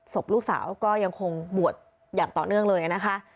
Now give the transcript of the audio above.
ศพลูกสาวก็ยังคงบวชอย่างต่อเนื่องเลยนะคะ